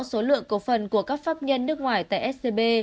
số lượng cổ phần của các pháp nhân nước ngoài tại scb